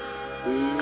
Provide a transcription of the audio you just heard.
うん。